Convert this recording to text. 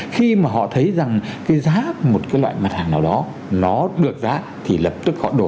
khi mà họ thấy rằng cái giá một cái loại mặt hàng nào đó nó được giá thì lập tức họ đổ